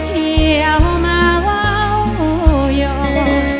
ที่เอามาเว้าหยอก